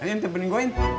ini yang tipe gue in